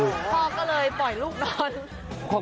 พ่อก็เลยปล่อยลูกนอน